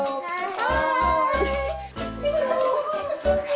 はい！